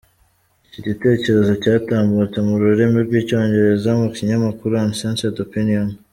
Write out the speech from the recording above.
Iki gitekerezo cyatambutse mu rurimi rw’Icyongereza mu kinyamakuru Uncensored Opinion.